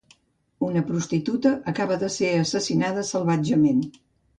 Una prostituta acaba de ser assassinada salvatgement.